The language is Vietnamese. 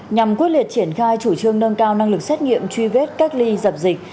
nhằm quyết liệt triển khai chủ trương nâng cao năng lực xét nghiệm truy vết cách ly dập dịch